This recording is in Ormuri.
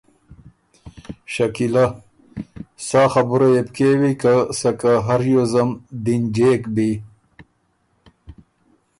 شکیلۀ: سا خبُره يې بو کېوی که سکه هر ریوزم دِنجېک بی۔